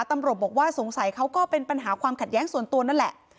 ตำรวจบอกว่าสงสัยเขาก็เป็นปัญหาความขัดแย้งส่วนตัวนั่นแหละ